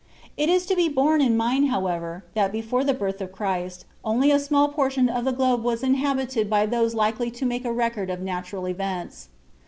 It is to be borne in mind, however, that before the birth of Christ only a small portion of the globe was inhabited by those likely to make a record of natural events.